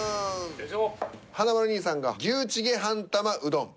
華丸兄さんが「牛チゲ半玉うどん」。